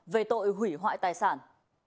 về tội hủy hoại tài sản